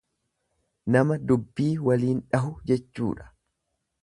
Nama dubbii waliin dhahu jechuudha.